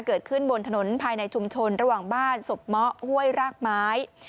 เกิดขึ้นบนถนนภายในชุมชนระหว่างบ้านศพเมาะห้วยรากไม้